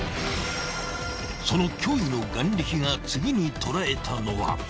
［その驚異の眼力が次に捉えたのは］